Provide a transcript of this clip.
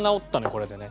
これでね。